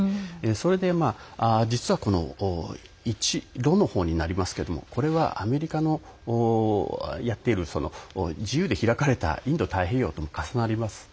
それで実は、一路の方になりますけどもこれはアメリカのやっている自由で開かれたインド太平洋とも重なります。